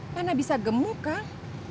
mana bisa gemuk kan